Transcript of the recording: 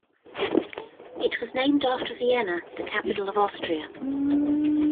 It was named after Vienna, the capital of Austria.